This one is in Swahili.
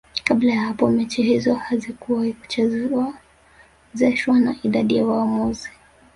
kabla ya hapo mechi hizo hazikuwahi kuchezeshwa na idadi hiyo ya waamuzi